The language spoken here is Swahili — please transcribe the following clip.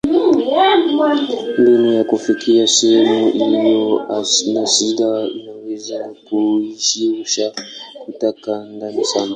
Mbinu ya kufikia sehemu iliyo na shida inaweza kuhusisha kukata ndani sana.